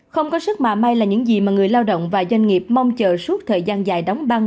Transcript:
không có sức mà may là những gì mà người lao động và doanh nghiệp mong chờ suốt thời gian dài đóng băng